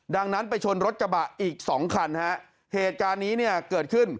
ดังนั้นไปชนรถกระบะอีกสองคันฮะเหตุการณ์นี้เนี่ยเกิดขึ้น